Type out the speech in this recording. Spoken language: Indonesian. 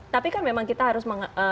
tapi kan memang kita harus